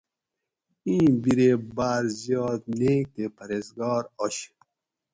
ایں بیرے باۤر زیات نیک تے پرھیزگار آشی